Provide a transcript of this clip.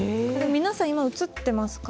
皆さん今映ってますか？